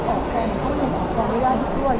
๖เดือนก็จะกำลังได้